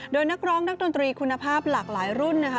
โดยนักร้องนักดนตรีคุณภาพหลากหลายรุ่นนะคะ